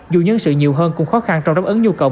dù nhân sự nhiều hơn cũng khó khăn trong đáp ứng nhu cầu